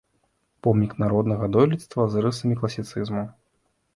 Помнік народнага дойлідства з рысамі класіцызму.